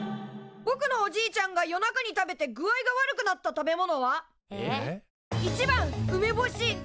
ぼくのおじいちゃんが夜中に食べて具合が悪くなった食べ物は？えっ？